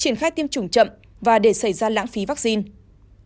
triển khai tiêm chủng chậm và để xảy ra lãng phí vaccine